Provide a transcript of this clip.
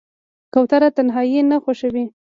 کوتره تنهایي نه خوښوي.